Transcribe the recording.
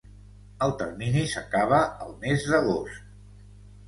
El termini s’acaba el mes d’agost.